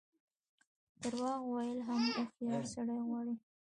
درواغ ویل هم هوښیار سړی غواړي.